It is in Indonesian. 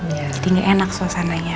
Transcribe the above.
jadi nggak enak suasananya